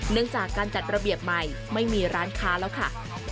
เนื่องจากการจัดระเบียบใหม่ไม่มีร้านค้าแล้วค่ะ